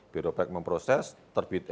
biro baik memproses terbit